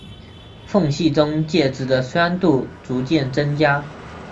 缝隙中介质的酸度逐渐增加。